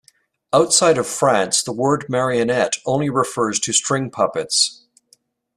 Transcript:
Outside of France, the word "marionette" only refers to string puppets.